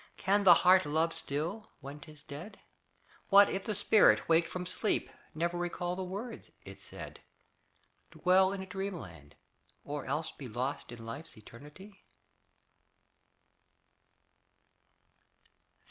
Can the heart love still when 'tis dead? What if the spirit, waked from sleep, Never recall the words it said? Dwell in a dreamland, or else be Lost in life's eternity?